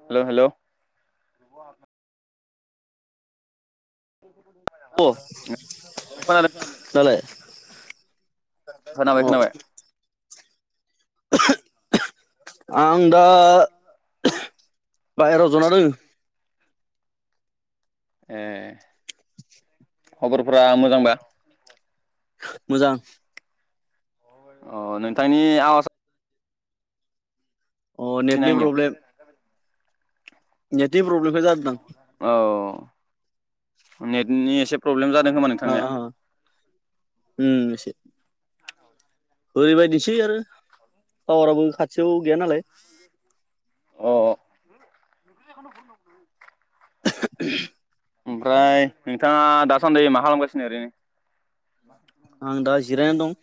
हेल हेल' अ खोनादों दालाय खोनाबाय अ खोनाबाय आं दा बाहेराव जना दों [inaudible] ए खबरफोरा मोजांबा मोजां अ नोंथांनि आवाज अ सिनो नेटनि आंनियाव प्रब्लेम नेटनि प्रब्लेमखाय जादों औ नेयनि एसे प्रब्लेम जादों खोमा आं नोंथांनिया आ उम एसे ओरैबायदिनोसै आरो पावाराबो खाथियाव गैया नालाय अ [unintelligible] ओमफ्राय नोंथाङा दासान्दि मा खालामगासिनो ओरैनो? आं दा जिरायनो दं।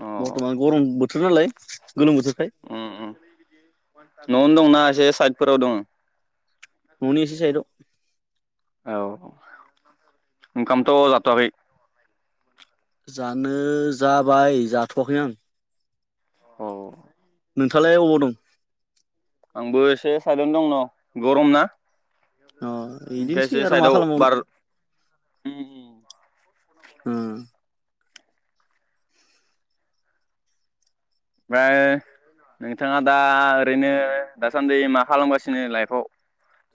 अ बर्थमान गरम बोथोर नालाय गोलोम बोथोरखाय उम उम न'आवनो दंना एसे साइदफोराव दङ? ननि इसे सायदाव औ ओंखामथ' जाथ'वाखै? जानो जाबाय जाथ'वाखैनो आं औ। नोंथाङालाय अबाव दं? आंबो एसे साइदन दं न गरम ना। अ बिदिनोसै ओखायसो‌ आरो मा साइदाव खालामबावनो बार‌ ओम ओम होम। ओमफ्राय नोंथाङा दा ओरैनो दासान्दि मा खालामगासिनो लाइफआव?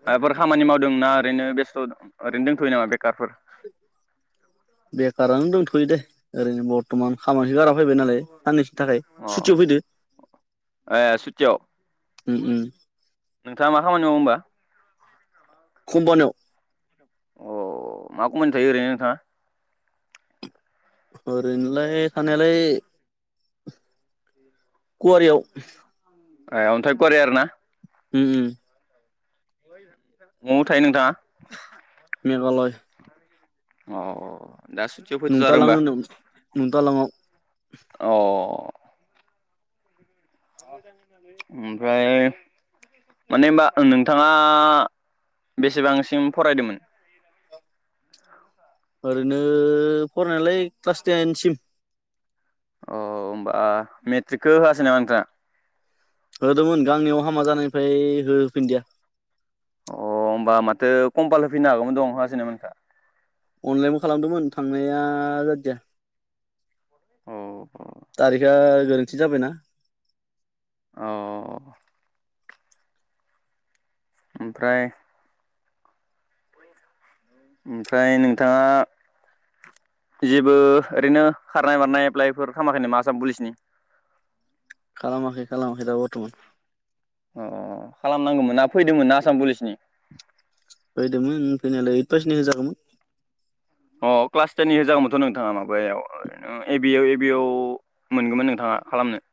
माइबाफोर खामानि माव ना ओरैनो बेस्थ' ओरैनो दंथ'यो नामा बेखारफोर? बेखारानो दंथ'यो दे ओरैनो बर्थमान खामानि गारा। फैबाय नालाय साननैसनि थाखाय अ सुटियाव फैदो। ए सुटियाव ओम ओम। नोंथाङा मा खामानि मावो होनोमबा? खम्पानिआव अ मा‌ कम्पानिया थायो ओरैनो नोंथाङा? ओरैनोलाय थाखाया लाय खुवारिआव ए अन्थाय खवारि आरो ना? उम उम। न'आव थायो नोंथाङा? मेघालय। अ दा सुटियाव ओम फैथ' जादों होमबा [unintelligible] दालाङाव। अ। ओमफ्राय माने होनबा नोंथाङा बेसेबांसिम फरायदोंमोन? ओरैनो फरायनायालाय क्लास टेनसिम। अ होमबा मेट्रिकखौ होआसै नामा नोंथाङा? होदोंमोन गांनियाव हामा जानायनिफ्राय होफिनदिया। अ होनोमबा माथो कम्पाल फैनो हागौमोन दंहा होआसै नामा नोंथाङा? अनलाइनबो खालामदोंमोन थांनाया आ जादिया औ औ थारिखआ गोरोन्थि जाबायना औ ओमफ्राय ओमफ्राय नोंथाङा जेबो ओरैनो खारनाय बारनाय एप्लाइफोर खामाखै नामा आसाम पुलिसनि खालामाखै खालामाखै दा बरथमान अ खालामनांगौमोन ना फैदोंमोन ना आसाम पुलिसनि फैदोंमोन फैनायलाय ओइ बासनि होजागौमोन अ क्लास टेननि होजागौमोनथ' नोंथाङा माबायाव ए बिआव ए बिआव मोनगौमोन नोंथाङा खालामनो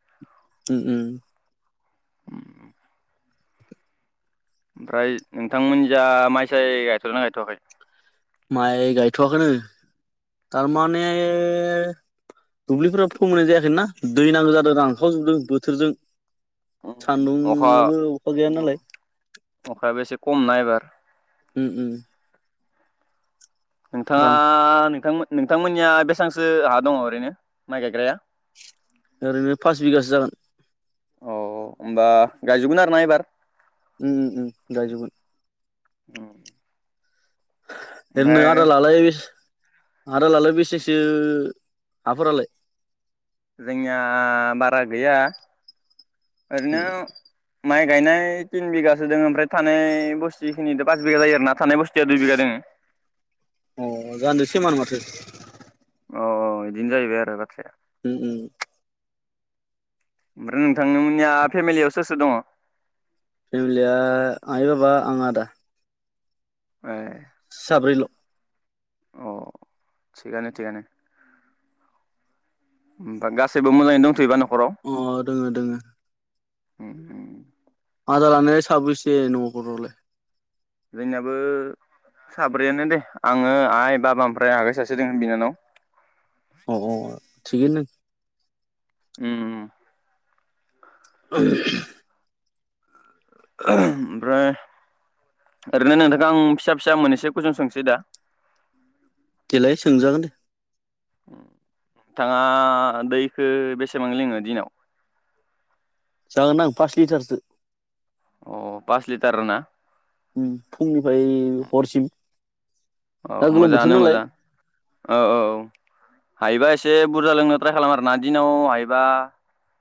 उम उम उम ओमफ्राय नोंथांमोननि जा माइसाय गायथ'गोना गायथआखै माइ गायथ'वाखैनो थारमाने [inaudible] दुब्लिफ्राबो फोमोयनाय जायाखैना दै नांगौ जादों रांखावजोबदों बोथोरजों अखा सान्दुंआबो अखा गैाया नालाय अखायाबो एसे खम ना एबार उम उम नोंथाङा रान नोंथांमोन नोंथांमोननिया बेसांसो हा दङ ओरैनो माइ गायग्राया ओरैनो फास बिगासो जागोन बा गायजोबगोन आरो ना एबार उम उम उम गायजोबगोन औ एरैनो आदा लालाय आरो आदालाहालाय बेसेसो हाफोरालाय जोंया बारा गैया ओरैनो माइ गायनाय तिन बिगासो दङ ओमफ्राय थानाय बुस्थुखिनिथ' पास बिघा जायो आरोना थानाय बुस्थु अ जाहानिदों सेमानो माथो अ औ बिदिनो जाहैबाय आरो बाथ्राया उम उम ओमफ्राय नोंथांमोननिया फेमिलियाव सोर सोर दङ फेमिलिया आइ बाबा आं आदा ए साब्रैल' अ थिगानो थिगानो होमबा गासैबो मोजाङै दंथ'योबा नख अ दोङो दोङो होम आदालाहालाय साबैसे न'खरावलाय बैनियाबो साब्रैयानो दे आङो आइ बाबा ओमफ्राय आगै सासे दोङो बिनानाव अ औ थिगैनो। उम उम। [unintelligible] [unintelligible] ओमफ्राय ओरैनो नोंथां आं फिसा फिसा मोनैसो कुइसन सोंसै दा। लाय सोंजागोन दे। नोंथाङा दैखो बेसेबां लोङो दिनाव? जागोन आं पास लिटारसो। अ पास लिटारोना उ फुंनिफाय हरसिम। औ दा गोलोम बोथोर मोजाङानो नालाय मोजां औ औ औ हायोबा एसे बुरजा लोंनो ट्राइ खालाम आरोना दिनाव हायोबा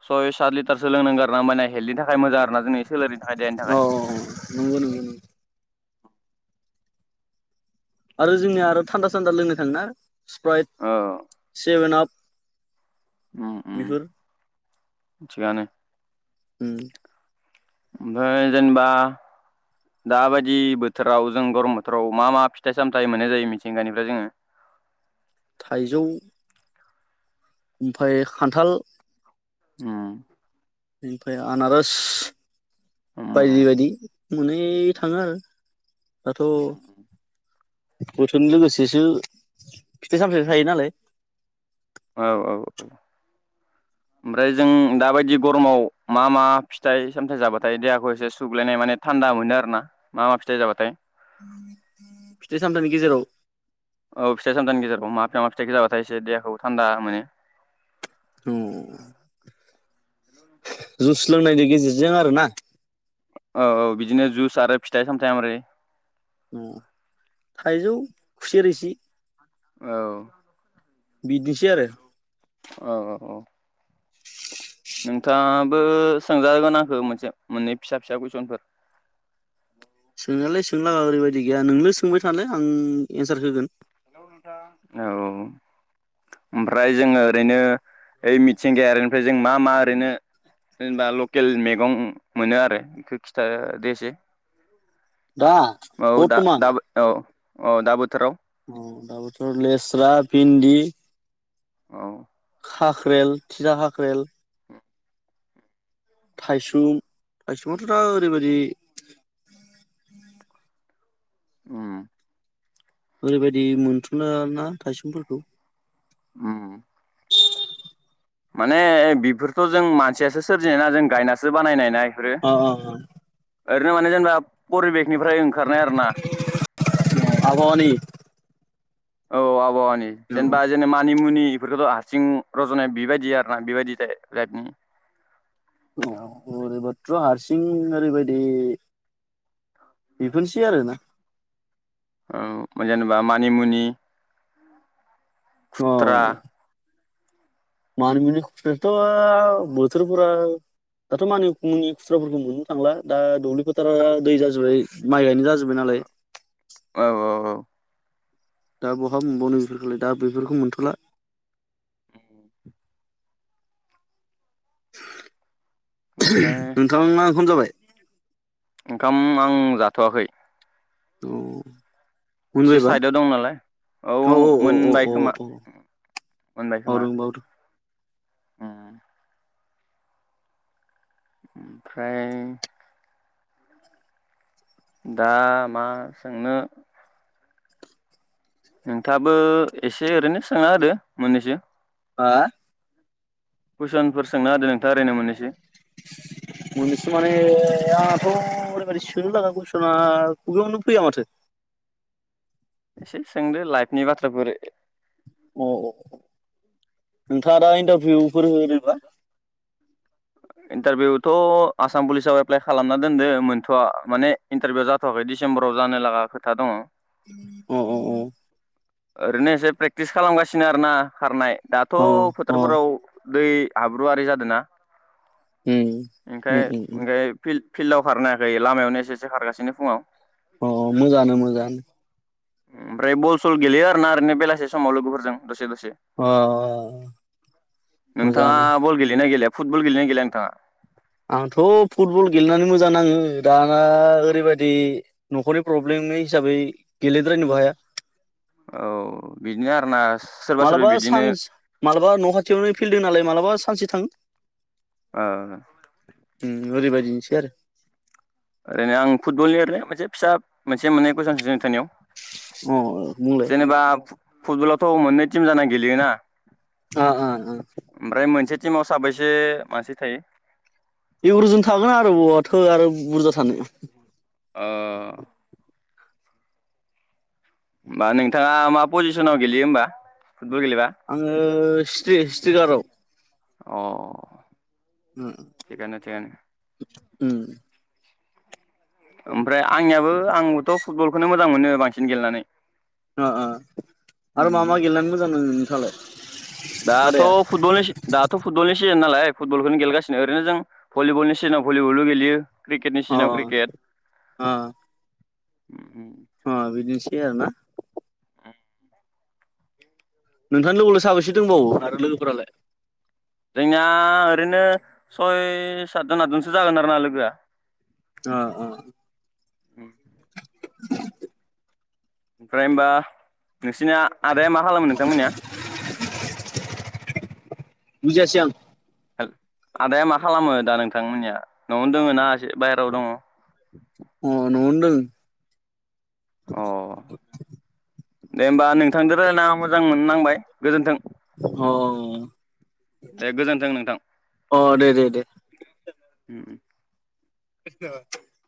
सय सात लिटारसो लोंनांगो आरना मानिया हेल्डनि था खाय मोजा आरोना जोंनि सोलेरनि थाखाय देहानि अ थाखाय। अ नंगौ नंगौ नंगौ आरो जोंनिया आरो थान्दा सान्दा लोंनो थाङोना स्प्राइट औ सेभेनआप उम उम थिगानो। हम ओमफाय जेनेबा दाबायदि बोथोराव जों गरम बोथोराव मा मा फिथाइ सामथायाइ मोननाय जायो मिथिंगानिफ्राय जोङो? थाइजौ ओमफाय खान्थाल उम ओमफाय आनारोस बायदि उम बायदि मोनै थाङो आरो दाथ' बोथोनि लोगोसेसो फिथाइ सामथाइ थायो नालाय औ औ औ ओमफ्राय जों दाबायदि गरमाव मा मा फिथाइ सामथायाइ जाबाथाय देहाखौ एसे सुग्लायनाय माने थान्दा मोनो आरोना मा मा फिथाइ जाबाथाय? फिथाइ सामथाइनि गेजेराव औ फिथाइ सामथामनि गेजेराव मा बिफा मा फिथाइ जाबाथाय एसे देहाखौ थान्दा मोनो? औ जुस लोंनायनि गेजेरजों आरो ना औ औ बिदिनो जुस आरो फिथाइ सामथायाइ मारै अ थाइजौ खुसे रोसि औ बिदिसै आरो। औ औ औ। नोंथाङाबो सोंजागोन आंखो मोनसे मोननै फिसा फिसा कुइसनफोर। सोंनायालाय सोंलागा ओरैबायदि गैया नोंनो सोंबाय थालाय आं एन्सार होगोन औ ओमफ्राय जोङो ओरैनो ओइ मिथिंगायारिनिफ्राय जों मा मा ओरैनो जेनेबा लकेल मेगं मोनो आरो इखो खिथादो एसे। दा बर्थमान अ दा बोथोराव द बोथोराव लेस्रा भिन्दि औ। हाख्रेल थिथा हाख्रेल थाइसुम' थाइसुमाथ' दा ओरै बायदि ओम ओरैबायदि मोनथ'नोना थायसुमफोरखौ ओम [inaudible] माने बेफोरथ' जों मानसियासो सोरजिनाय ना जों गायनासो बानायनायनाय अ अ ओरैनो माने जेनेबा परिबेकनिफ्राय ओंखारनाय आरो ना आबहावानि औ आ औ जेनेबा जेने मानिमुनि बेफोरखौथ' हारसिं रज'नाया बेबायदि आरो ना बेबायदि लानि अ ओरैबाथ्र' हारसिं ओरैबायदि बिफोरनोसै आरोना औ जेनेबा मानिमुनि औ खुत्रा मानिमुनि खुथ्रायाथ' बोथोरफोरा दाथ' मानिमुनि खुथ्राफोरखौ मोननो थांला दा दुब्लि फोथारा दै जाजोब्बाय माइ गायनाय जाजोब्बाय नालाय। औ औ दा बहा मोनबावनो बेफोरखौलाय दा बेफोरखौ मोनथ'ला [inaudible] ओमफ्राय नोंथांङा ओंखाम जाबाय। ओंखाम आं जाथ'वाखै। औ। एसे साइदआव दं नालाय औ औ मोनबाय औ औ खोमा मोनबाय खोमा। बावदों बावदों उम। ओमफ्राय दा मा सोंनो। नोंथाङाबो एसे ओरैनो सोंना होदो। मोननैसौ हा कुइसनफोर सोंना होदो नोंथाङा ओरैनो मोनैसो मोननैसो माने आंहथ' ओरैबो सोंनो लागा कुसना खुगायावनो फैया माथो। एसे सोंदो लाइफ नि बाथ्राफोरो औ औ। [inaudible] होदोंबा इन्टारभिउथ' आसाम पुलिसाव एप्लाइ खालामना दोनदो मोनथ'वा माने इन्टारभिउ जाथ'वाखै डिसेम्बराव जानो लागा खोथा दङ अ अ अ ओरैनो एसे प्रेकटिस खालामगासिनो आरोना खारनाय दाथ' अ अ टारफोराव दै हाब्रुआरि जादों ना? उम उम उम उम फिल्डआव खारनो हायाखै लामायावनो एसे एसे खारगासिनो फुङाव अ मोजाङानो मोजाङानो ओमफ्राय बल सल गेलेयो आरोना ओरैनो बेलासे समाव लोगोफोरजों दसे दसे अ नोंथाङा मोजाङानो बल गेलेयो ना गेलेया फुटबल गेलयो ना गेलेया नोंथाङा आंथ' फुटबल गेलेनानै मोजां नाङो दा ओ ओरैबायदि न'खरनि प्रब्लेमनि हिसाबै गेलेद्रायनोबो हाया औ बिदिनो आरोना सोरबा सोरबा मालाबा बिदिनो सानस मालाबा न' खाथियावनो फिल्द दों नालाय मालाबा सानसे थांओ ओ उम ओरै बायदिनिसो दि आरो ओरैनो आं फुटबलनि ओरैनो मोनसे फिसा मोनसे मोननै कुइनस सोंनि नोंथांनियाव उम बुंलाय जेनेबा फुटबलावथ' मोननै टिम जाना गेलेयोना अ अ अ ओमफ्राय मोनसे टिमाव साबैसे मानसि थायो एग्रजन थागोन आरो बहत हो आरो बुरजा सानो ओ होमबा नोंथाङा मा पजिसनाव गेलेयो होमबा फुटबल गेलेबा आङो हिस्ट्रि हिस्ट्रिगाराव अ उम थिगानो थिगानो उम ओमफ्राय आंनियाबो आंबोथ' फुटबलखौनो मोजां मोनो बांसिन गेलेनानै अ अ आरो मा मा गेलेनानै मोजां नों नोंथाङालाय दाथ' आदाया फुटबल दाथ' फुटबल सिजोन नालाय फुटबलखौनो गेलगासिनो ओरैनो जों भलिबलनि सिजोनाव भलिबल गेलेयो क्रिकेटनि अ सिजोनाव क्रिकेट [inaudible] अ ऐ। अ बिदिनोसै आरो ना नोंथांनि लोगोआवलाय साबेसे दंबावो आरो लोगोफोरालाय जोंना ओरैनो सय सतजन आतजनसो जागोन आरो ना लोगोआ अ औ [inaudible] ओमफ्राय होनबा नोंसिना आदाया मा खालामो नोंथांमोननिया बुजायसै आं आदाया मा खालामो दा नोंथांमोननिया न'आवनो दङ ना एसे बायहेरायाव दङ अ न'आवनो दं अ दे होनबा नोंथांजों रायजायना मो मोजां मोननांबाय गोजोन्थों अ दे गोजोन्थों नोंथां अ दे दे दे उम [unintelligible]